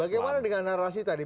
bagaimana dengan narasi tadi